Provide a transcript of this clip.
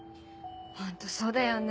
ホントそうだよね。